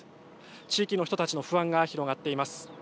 地域の人たちの不安が広がっています。